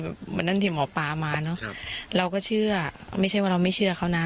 วันนั้นที่หมอปลามาเนอะเราก็เชื่อไม่ใช่ว่าเราไม่เชื่อเขานะ